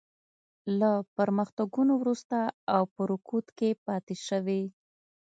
له پرمختګونو وروسته او په رکود کې پاتې شوې.